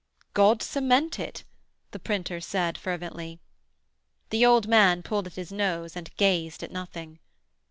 'God cement it!' the printer said fervently. The old man pulled at his nose and gazed at nothing.